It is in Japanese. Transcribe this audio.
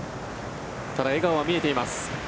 ただ、笑顔は見えています。